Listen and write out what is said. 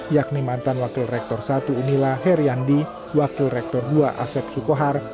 yakni mantan wakil rektor satu unila heriandi wakil rektor dua asep sukohar